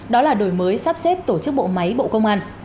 đó là đổi mới sắp xếp tổ chức bộ máy bộ công an